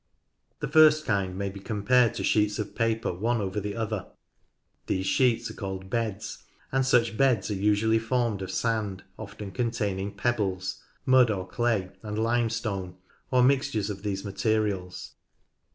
The first kind may be compared to sheets of paper one over the other. These sheets are called beds, and such beds are usually formed of sand (often containing pebbles), mud or clay, and limestone, or mixtures of these materials.